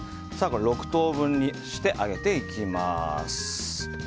６等分にして揚げていきます。